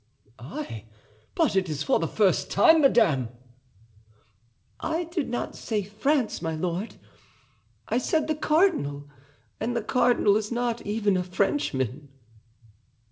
Ay, but it is for the first time, madame!" "I did not say France, my lord; I said the cardinal, and the cardinal is not even a Frenchman."